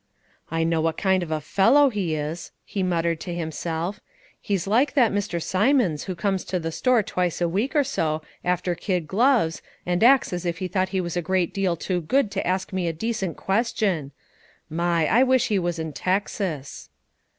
"I know what kind of a fellow he is," he muttered to himself; "he's like that Mr. Symonds who comes to the store twice a week or so after kid gloves, and acts as if he thought he was a great deal too good to ask me a decent question. My! I wish he was in Texas."